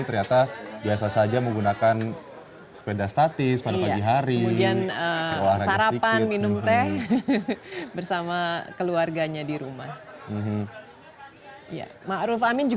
ternyata biasa saja menggunakan sepeda statis pada pagi hari